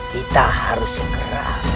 kita harus segera